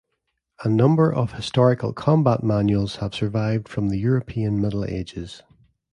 A number of historical combat manuals have survived from the European Middle Ages.